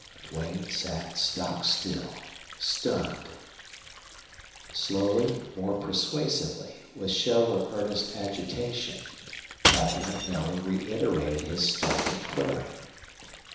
Duane sat stock still, stunned. Slowly, more persuasively, with show of earnest agitation, Captain MacNelly reiterated his startling query.